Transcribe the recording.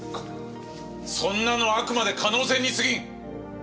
そんなのはあくまで可能性にすぎん！